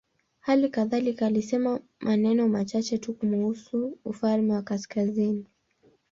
Hali kadhalika alisema maneno machache tu kuhusu ufalme wa kaskazini.